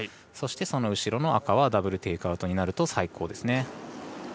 そしてその後ろの赤はダブル・テイクアウトになると最高です。